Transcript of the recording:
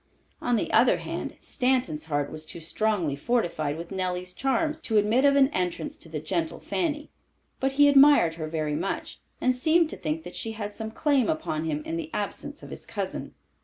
On the other hand, Stanton's heart was too strongly fortified with Nellie's charms to admit of an entrance to the gentle Fanny. But he admired her very much, and seemed to think that she had some claim upon him in the absence of his cousin.